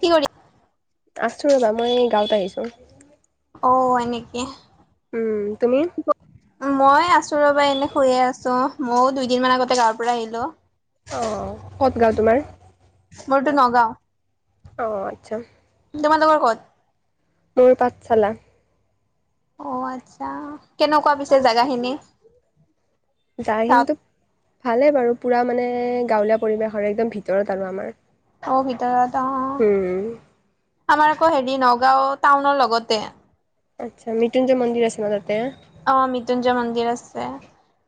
কি কৰি আছো ৰবা মই গাঁৱত আহিছোঁ। অ হয় নেকি? উম তুমি মই আছো ৰবা এনে শুইয়ে আছো মইও দুইদিন মান আগতে গাঁৱৰ পৰা আহিলো। অ কত গাও তোমাৰ মোৰতো নগাঁও অঁ আচ্ছা তোমালোকৰ ক'ত মোৰ পাঠশালা অ আচ্ছা কেনেকুৱা পিছে জেগা খিনি? যাৰখিনো ভালে বাৰু পুৰা মানে গাঁৱলীয়া পৰিৱেশৰ একদম ভিতৰত আৰু আমাৰ অ' ভিতৰত হম। তোমাৰ আকৌ হেৰি নগাঁও টাউনৰ লগতে আচ্ছা মৃত্যুঞ্জয় মন্দিৰ আছে ন তাতে অ মৃত্যুঞ্জয় মন্দিৰ আছে।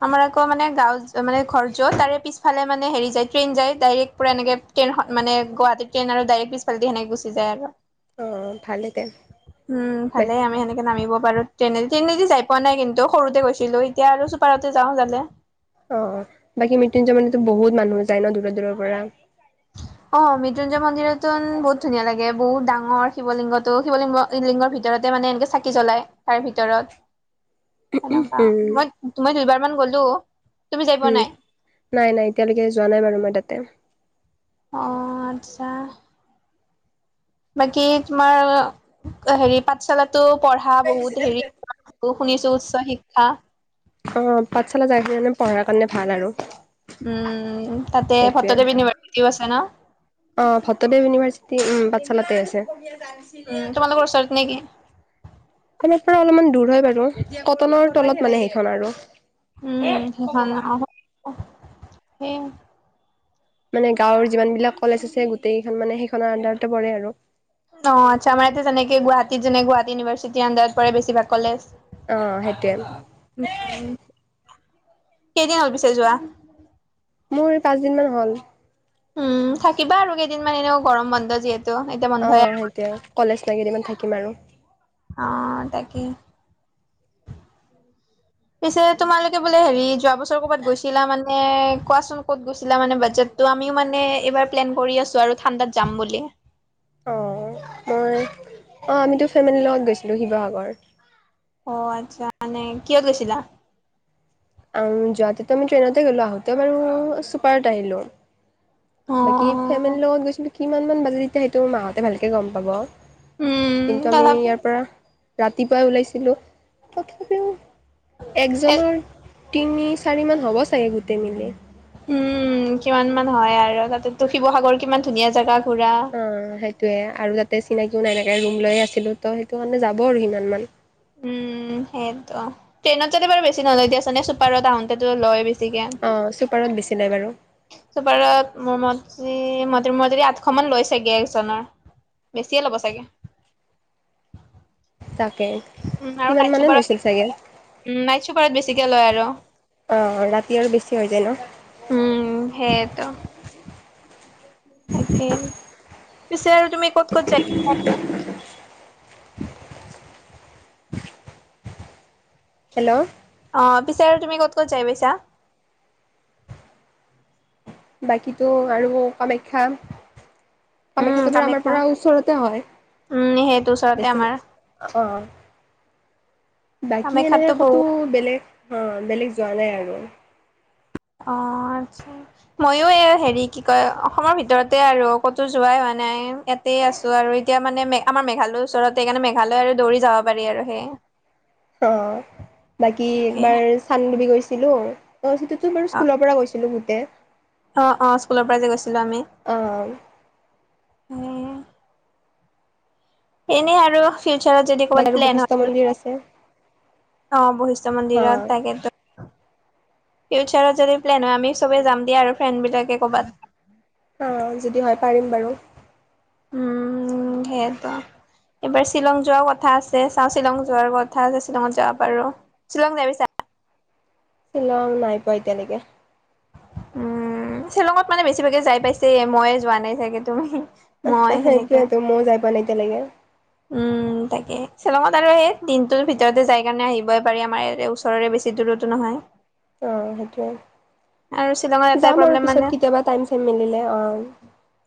আমাৰ আকৌ মানে গ মানে ঘৰ য তাৰে পিছফালে মানে হেৰি যায় ট্ৰেইন যায় ডাইৰেক্ট পৰা এনেক মানে গুৱাহাট ট্ৰেইন আৰু ডাইৰেক্ পিছালে সেনেক গুচি যায় আৰু- অঁ ভালে দে উম ভালে আমি সেনেকে নামিব পাৰো ট্ৰেইনে ট্ৰেইনেদি যাই। পোৱা নাই কিন্তু সৰুতে গৈছিলো এতিয়া আৰু চুপাৰতে যাওঁ জালে। অ বাকী মৃত্যুঞ্জয়ণো বহুত মানুহ যায় ন দূৰ দূৰৰ পৰা। অ মৃত্যুঞ্জয় মন্দিৰতো বহুত ধুনীয়া লাগে বহুত ডাঙৰ শিলিংগতটো শিৱলিংগ লিংগৰ ভিতৰত মানে এনেকে চাকি জ্বলাই তাৰ ভিতৰত সনেকুৱা উম মই তুমি দুবাৰ মান গলো তুমি যাই পোৱা উম নাই নাই নাই এতিয়ালৈকে যোৱা নাই বাৰু মই তাতে অ আচছা বাকী তোমাৰ হেৰি পাঠশালা তো পঢ়া বহুত হেৰি শুনিছো উচ্চ শিক্ষা- অ পাঠশালা যায়ানে পঢ়াৰ কাৰণে ভাল। আৰু উম তাতে সেইটোৱে ভট্টদেৱ ইউনিভাৰ্চিটিও আছে ন। অ ভট্টদেৱ ইউনিভাৰ্চিটি উ পাঠশালাতে আছে। উম তোমালোকৰ ওচৰতৰত নেকি? কাৰ পৰা অলপমান দূৰ হয় বাৰু কটনৰ তলত মানে সেইখন আৰু উম সেই ন সেই মানে গাঁৱৰ যিমান বিলাক কলেজ আছে গোটেইকেইখন মানে সেইখনৰ আনডাৰতে পৰে আৰু অ আচ্ছা আমাৰ এয়া তেনেকে গুৱাহাটীত যেনে গুৱাহাটী ইউনিভাৰ্চিটিৰ আডাৰত পৰে বেছিভাগ কলেজ আহ সেইতুৱেই উম, কেইদিন হল পিছে যোৱা। মোৰ পাঁচদিন মান হ'ল। উম থাকিবা আৰু কেইদিনমান এনেও গৰম বন্ধ যিহেতু এতিয়া অ বন্ধই আৰু সেইটোয়া কলেজ ন কেইদমান থাকিম আৰু অ তাকেই [inaudible] পিছে তোমালোকে বোলে হেৰি যোৱা বছৰ ক'বাত গৈছিলা মানে কোৱাচোন ক'ত গৈছিলা মানে বাজেট ত' আমিও মানে এইবাৰ প্লেন কৰি আছো আৰু ঠাণ্ডাত যাম বুলি। অঁ মই অঁ আমিতো ফেমিলীৰ লগত গৈছিলোঁ শিৱসাগৰ অ আচ্ছা মানে কিয় গৈছিলা? যোৱা তেতো আমি ট্ৰেইনতে গ'লো আহোতে বাৰু ছুপাৰত আহিলো। বাকী অ', ফেমিলিৰ লগত গৈছিলো কিমান মান বাজে তেতিয়া সেইটো মাহঁতে ভালকে গম পাব। উম, কিন্তু আমি ইয়াৰ তথাপিও পৰা ৰাতিপুৱাই ওলাইছিলো তথাপিও একজনৰ তিনি চাৰি মান হ'ব চাগে গোটেই মিলি উম কিমান মান হয় আৰু তাতেো শিৱসাগৰ কিমান ধুনীয়া জাগা অ সেইটোয়ে আৰু তাতে চিনাকিও নাইথাকে ৰুম লৈে আছিলো তো সেইটো কাৰণে যাব আৰু সিমানমান উম সেইটো ট্ৰেইনত যাতে বাৰু বেছি নললে দি আছ নে চুপাৰৰ তটাউনতেো লয় বেছি। অ চুপাৰত বেছি নাই বাৰু। চুপাৰত মোৰ মঠলি মই যদি আঠশ মান লৈছেগে একজনৰ। বেছিয়ে ল'ব চাগে? তাকে। আৰু সিমান নাইট মানে চপাৰ লৈছিল চাগে নাইট চুপাৰত বেছিকে লয় আৰু, অ ৰাতি আৰু বেছি হৈ যায় ন। উম সেইটো। তাকে পিছে আৰু তুমি ক'ত ক'ত যায়। [unintelligible] হেল্ল' অ পিছে আৰু তুমি ক'ত ক'ত যাই পাইছা? বাকীটো আৰু কামাখ্যা। আমি উম কামাখ্যাটো আমাৰ কামাখ্যা পৰা ওচৰতে হয়। উম সেইটো ওচৰতে বেছি আমাৰ অ' বাকী এনেকে কামাখ্যাতো বহু ক'তো বেলেগ অ বেলেগ যোৱা নাই আৰু অ আচছা মইো এই হেৰি কি কয় অসমৰ ভিতৰতে আৰু ক'তো যোৱাই হোৱা নাই। নাই ইয়াতে আছো আৰু এতিয়া মানে আমাৰ মেঘালয়ৰ ওচৰতে সেই কাৰণে মেঘালয় আৰু দৌৰি যাব পাৰি আৰু সেই অ বাকী তাকে এবাৰ চানডুবি গৈছিলো। ত' সিটোতো বাৰু অ', স্কুলৰ পৰা গৈছিলো গোটেই। অ অ স্কুলৰ পৰা যে গৈছিলো আমি অ', এনে আৰু ফিউচাৰত যদি বাকী ক'ৰবাত আৰু প্লেন বশিষ্ঠ হয় আৰু মন্দিৰ আছে। অ বশিষ্ঠ হা, মন্দিৰত থাকেতো ফিউচাৰত যদি প্লেন হয় আমি সবেই যাম দিয়া আৰু ফ্ৰেণ্ডবিলাকে ক'ৰবাত। অ যদি হয় পাৰিম বাৰু। উম সেইটো। এইবাৰ শ্বিলং যোৱাৰ কথা আছে চাওঁ শ্বিলং যোৱাৰ কথা আছে শ্বিলঙত যাব পাৰো। শ্বিলং যাই পাইছা? শ্বিলং নাই পোৱা এতিয়ালৈকে। উম শ্বিলঙত মানে বেছিভাগে যাই পাইছে, মইয়ে যোৱা নাই চাগে তুমি মই সেনেকে সেইটোৱেতো ময়ো যাই পোৱা নাই এতিয়ালৈকে। উম! তাকে শ্বেলঙত আৰু সেই দিনটো ভিতৰতে যাই কাৰণে আহিবই পাৰি আমাৰ ই ওচৰৰে বেছি দূৰতো নহয়। অ আৰু শ্বিলঙৰ সেইটোৱে। এটাই যাম আৰু প্ৰব্লেম পিছত মানে কেতিয়াবা টাইম চাইম মিলিলে অ'।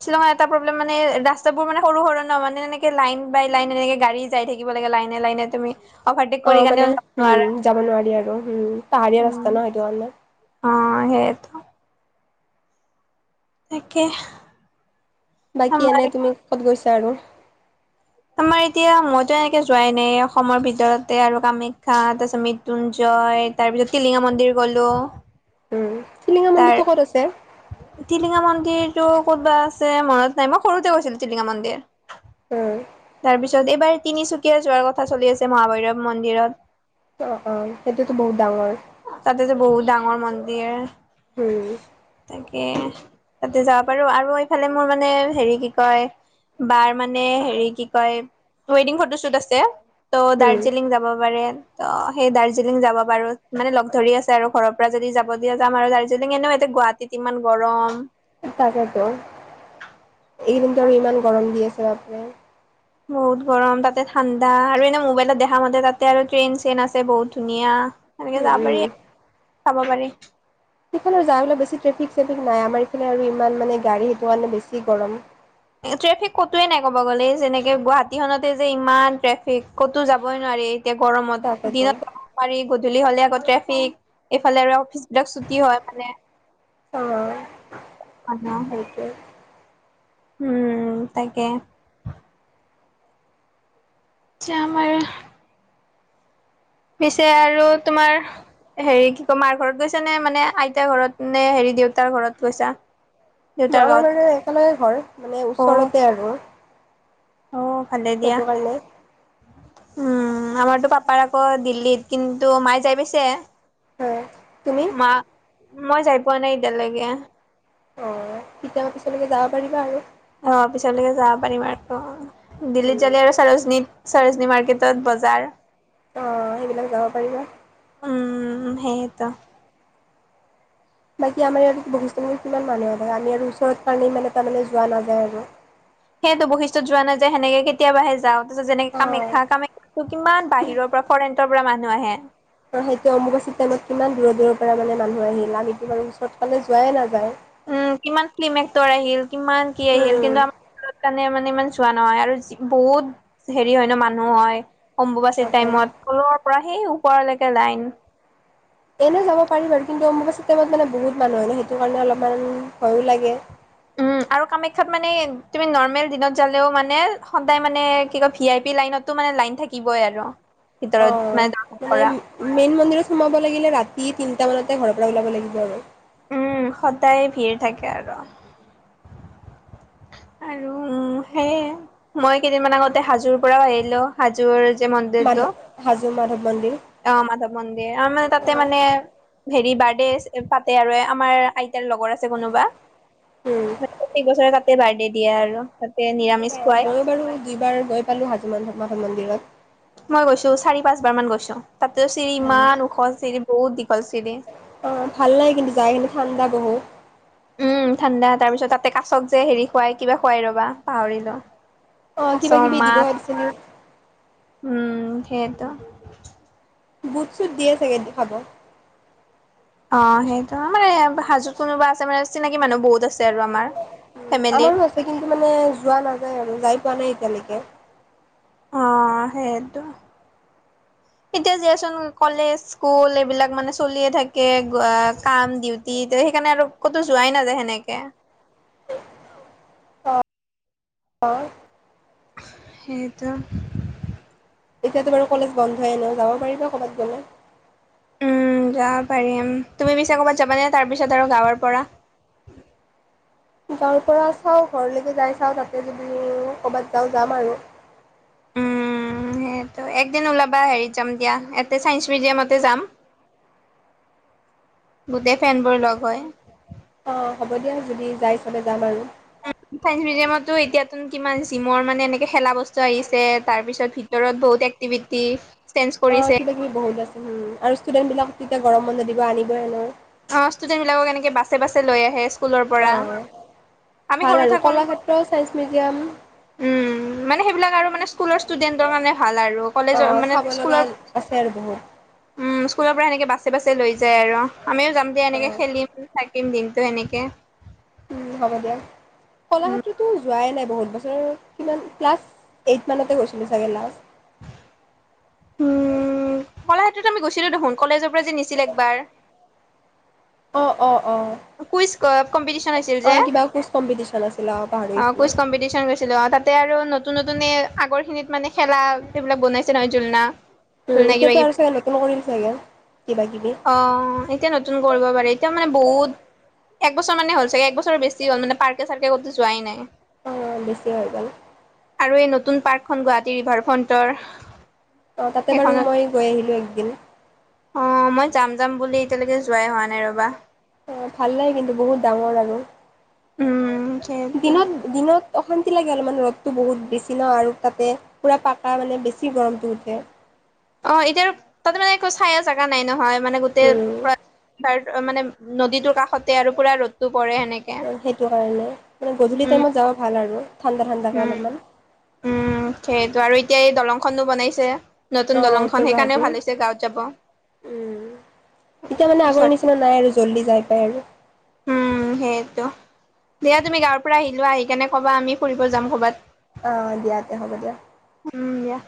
শ্বিলংৰ মানে এটা প্ৰব্লেম মানে ৰাস্তাবোৰ মানে সৰু সৰু ন মানে এনেকে লাইন বাই লাইন এনেকে গাড়ী যাই থাকিব লাগে লাইনে- লাইনে তুমি, অভাৰটেক অ কৰি কেনেও মানে যাব নোৱাৰা উম্ যাব নোৱাৰি আৰু উম্ পাহাৰীয়া উম, ৰাস্তা ন সেইটো কাৰণে। অ সেইটো তাকে। বাকী আমাৰ এনে তুমি ক'ত গৈছা আৰু আমাৰ এতিয়া মইতো এনেকে যোৱাই নাই অসমৰ ভিতৰতে আৰু কামাখ্যা, তাৰপিছত মৃত্যুঞ্জয়, তাৰ পিছত টিলিঙা মন্দিৰ গলো। উম, টিলিঙা তাৰ মন্দিৰটো ক'ত আছে? টিলিঙা মন্দিৰ টো ক'তবা আছে মনত নাই মই সৰুতে গৈছিলো টিলিঙা মন্দিৰ। উম, তাৰপিছত এইবাৰ তিনিচুকীয়া যোৱাৰ কথা চলি আছে মহাভৈৰৱ মন্দিৰত। অ অ সেইটোতো বহুত ডাঙৰ। তাতেতো বহুত ডাঙৰ মন্দিৰ, উম্ তাকে তাতে যাব পাৰো আৰু এইফালে মোৰ মানে হেৰি কি কয়, বাৰ মানে হেৰি কি কয় ৱেডিং ফটোশ্বুট আছে। ত' উম। দাৰ্জিলিং যাব পাৰে। ত সেই দাৰ্জিলিং যাব পাৰো, মানে লগ ধৰি আছে আৰু ঘৰৰ পৰা যদি যাব দিয়ে যাম আৰু। এনেও এতিয়া গুৱাহাটীত ইমান গৰম। তাকেতো এইকেইদিনতো আৰু ইমান গৰম দি আছে বাপৰে। বহুত গৰম, তাতে ঠাণ্ডা আৰু এনে মোবাইলত দেখা মতে তাতে আৰু ট্ৰেইন চেইন আছে বহুত ধুনীয়া। সেনেকে উম যাব পাৰি চাব পাৰি। সেইফালৰ যাইলে বেছি ট্ৰেফিক চেফিক নাই। আমাৰ ইফালে আৰু ইমান মানে গাড়ী সেইটো কাৰণে বেছি গৰম। ট্ৰেফিক ক'তোৱে নাই ক'ব গ'লে। যেনেকে গুৱাহাটীখনতে যে ইমান ট্ৰেফিক কতো যাবই নোৱাৰি। এতিয়া গৰমত। তাকেতো দিনত যাব পাৰি গধূলি হলে, আকৌ ট্ৰেফিক এইফালে আৰু অফিচ ড ছুতি হয় মানে। অ সেইটোৱে উম তাকে। যাম আৰু পিছে আৰু তোমাৰ হেৰি কি ক মাৰ ঘৰত গৈছা নে, মানে আইতাৰ ঘৰত নে, হেৰি দেউতাৰ ঘৰত গৈছা? দেউতাৰ আমাৰ গাঁৱত মানে একেলগে ঘৰ মানে অ ওচৰতে আৰু। অ ভালে দিয়া সেইটো কাৰণে উম। আমাৰতো পাপাৰ আকৌ দিল্লীত, কিন্তু মায়ে যাই পিছে। হয়। তুমি? মই যাই পোৱা নাই এতিয়ালৈকে। অ তেতিয়া ম পিছলৈকে যাব পাৰিবা আৰু। অ পিছলৈকে যাব পাৰিম আৰু দিল্লীত উম, জালি আৰু চাৰজনীত [unintelligible] চাৰজননি মাৰ্কেটত বজাৰ। অ সেইবিলাক যাব পাৰিবা। উ সেইয়েত [unintelligible] বাকী আমাৰ ইয়াত বহুস্থানী কিমান মানুহ আহে আমি আৰু ওচৰত কাৰণে ইমান এ তাৰমানানে যোৱা নাযায় আৰু। সেইয়েটো বশিষ্টত যোৱা নাই যে, সেনেকে কেতিয়াবাহে যাও। তাৰপিছত যেনেকে আৰু অ কামাখ্যা কামাখ্যা কিমান বাহিৰৰ পৰা ফৰেনৰ পৰা মানুহ আহে। আৰু সেইটো অম্বুবাচী টাইমত কিমান দূৰৰ দূৰৰ পৰা মানে মানুহ আহিল আমিটো বাৰ ওচৰত ফালে যোৱাই নাযায়। উম কিমান ফিল্ম এক্টৰ আহিল, কিমান কি আহিল। উম, কিন্তু আমাৰ সে কাৰণে মানে ইমান যোৱা নহয় আৰু বহুত হেৰি হয় ন মানুহ হয়। অম্বুবাচীৰ তাকে টাইমত তলৰ পৰা সেই ওপৰলৈকে লাইন। এনে যাব পাৰি বাৰু কিন্তু অম্বুবাচী টাইমত মানে বহুত মানুহ আহে সেইটো কাৰণে অলপমান ভয়ো লাগে। উম [unintelligible] আৰু কামাখ্যাত মানে তুমি নৰ্মেল দিনত যালেও মানে সদায় মানে কি কয় ভি আই পি লাইনতো মানে লাইন থাকিবই আৰু। অ, ভিতৰত দৰ্শন মানে কৰা মেইন মন্দিৰত সোমাব লাগিলে ৰাতি তি তিনিটামানতে ঘৰৰ পৰা ওলাব লাগিব আৰু। উম সদায় ভিৰ থাকে আৰু। আৰু সেয়ে মই কেইদিনমান আগতে হাজোৰ পৰাও আহিলো। হাজোৰ মাধৱ মন্দিৰটো। হাজো মাধৱ মন্দিৰ অ মাধৱ মন্দিৰ আৰু মানে তাতে অ', মানে হেৰি বাৰ্থডে পাতে আৰু আমাৰ আইতাৰ লগৰ আছে কোনোবা। উম। এই বছৰে তাতে বাৰ্থডে দিয়ে আৰু তাতে নিৰামিষ অ', খুৱাই। ময়ো বাৰু দুইবাৰ গৈ পালো হাজো মাধৱ মন্দিৰত। মই গৈছো চাৰি পাঁচবাৰ মান গৈছো। তাতটো চিৰি ইমান ওখ চিৰি বহুত দীঘল চিৰি। অহ ভাল লাগে কিন্তু যায় কিন্তু ঠাণ্ডা বহুত। উম ঠাণ্ডা, তাৰ পিছত তাতে কাছক যে হেৰি খুৱাই কিবা খুৱাই ৰ'বা পাহৰিলো। অ কাছ কিবা কিবি দিব মাছ পাৰিছে নে? উম সেইটো। বুট চুট দিয়ে চাগে দে খাব। অ সেইটো মানে হাজোত কোনোবা আছে মানে চিনাকি মানুহ বহুত আছে আৰু আমাৰ। উ ফেমিলিৰ আমাৰো আছে কিন্তু মানে যোৱা নাযায় আৰু যাই পোৱা নাই এতিয়ালৈকে। অ সেইটো। উ এতিয়া দিয়াচোন কলেজ স্কুল এইবিলাক মানে চলিয়ে থাকে কাম ডিউটি এতিয়া। সেইকাৰণে আৰু ক'তো যোৱাই নাযায় সেনেকে। [unintelligible] অ! সেইটো। এতিয়াতো বাৰু কলেজ বন্ধয়ে ন যাব পাৰিবা ক'ৰবাত গ'লে। উম যাব পাৰিম তুমি পিছে ক'বাত যাবানে তাৰ পিছত আৰু গাঁৱৰ পৰা। গাঁৱৰ পৰা চাও ঘৰলৈকে যাই চাও তাতে যদি ক'ৰবাত যাও যাম আৰু। [inaudible] উ সেইটো একদিন ওলাবা হেৰিত যাম দিয়া ইয়াতে চাইন্স মিউজিয়ামতে যাম। গোটেই ফেনবোৰ লগ হয়। অ হ'ব দিয়া যদি যাই চবে যাম আৰু। চাইন্স মিউজিয়ামতো এতিয়াাত কিমান জিমৰ মানে এনেকে খেলা বস্তুি আহিছে তাৰ পিছত ভিতৰত বহুতে এক্তিভিতি অ কিবা কিবি বহুত আছে ম আৰু ষ্টুডেন্ট বিলাক তেতিয়া গৰম বন্ধ দিব আনিবই। অ ষ্টুডেণ্টবিলাকক এনেকে বাছে বাছে লৈ আহে স্কুলৰ পৰা। অ', আমি ভাল সৰু আৰু থাকোন কলাক্ষেত্ৰ ছাইন্স মিউজিয়াম উ মানে সেইবিলাক আৰু মানে স্কুলৰ ষ্টুডেন্টৰ মানে ভাল আৰু কলেজৰ অ', মানে চাব লগা স্কুলৰ আছে আৰু বহুত উম স্কুলৰ পৰা এনেকৈ বাছে বাছে লৈ যায় আৰু আমিও যাম দে এনেকে অ', খেলিম। তিন দিনটো সেনেকে। উম হ'ব দিয়া উম, কলাক্ষেত্ৰতো যোৱাই নাই বহুত বছৰ কিমান ক্লাছ এইট মানতে গৈছিলোঁ চাগে লাষ্ট। উম কলাক্ষেত্ৰত আমি গৈছিলো দেখোন কলেজৰ পৰা যে নিছিল একবাৰ। অ অ অ কুইজ কম্পিটিশন হৈছিল অ যে। কিবা কোচ কম্পিটিশ্যন আছিল অ। অ পাহৰিছিলোঁ। কুইজ কম্পিটিচন কৰিছিলো অ তাতে আৰু নতুন নতুন আগৰ খিনিত মানে খেলা এইবিলাক বনাইছে নহয় জুলনা। উম এতিয়াতো আৰু চাগে নতুন কৰিল চাগে। কিবা কিবি অ এতিয়া নতুন কৰিব পাৰে এতিয়া মানে বহুত একবছৰ মানে হল চাগে একবছৰ বেছি হ'ল পাৰ্কে চাৰ্কে কতো যোৱাই নাই। অ বেছি হৈ গ'ল। আৰু এই নতুন পাৰ্কখন গুৱাহাটী ৰিভাৰ ফ্ৰণ্টৰ অ তাতে বাৰু সেইখনত মই গৈ আহিলোঁ একদিন। অ মই যাম যাম বুলি এতিয়ালৈকে যোৱাই হোৱা নাই ৰবা। অ ভাল লাগে কিন্তু বহুত ডাঙৰ আৰু উম সেইটো দিনত দিনত অশান্তি লাগে অলপ মান ৰ'দটো বহুত বেছি ন আৰু তাতে পুৰা পাকা মানে বেছি গৰমটো উঠে। অ এতিয়া তাত মানে একো চাই জেগা নাই নহয় মানে গোটেই উম। অ মানে নদীটোৰ কাষতে আৰু পুৰা ৰ'দটো পৰে সেনেকে সেইটো কাৰণে মানে গধূলি উম টাইমত যাব ভাল আৰু। ঠাণ্ডা ঠাণ্ডাকে উম অলপমান। উম সেইটো আৰু এতিয়া এই দলংখনো বনাইছে। নতুন অ', উত্তৰ দলংখন সেইকাৰণেও গুৱাহাটীৰ ভাল হৈছে গাঁৱত যাব। উম। এতিয়া মানে আগৰ ওচৰত নিচিনা নাই আৰু জল্দি যাই পাই আৰু। উম সেইটো দিয়া তুমি গাঁৱৰ পৰা আহি লোৱা আহি কেনে ক'বা আমি ফুৰিব যাম ক'ৰবাত। আহ দিয়া তে হ'ব দিয়া। উম দিয়া